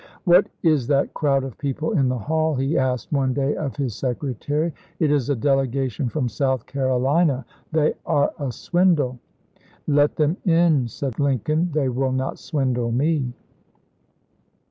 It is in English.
" What is that crowd of people in the hall f " he asked one day of his secretary. " It is a delegation from South Car olina. They are a swindle." " Let them in," said Lincoln; "they will not swindle me."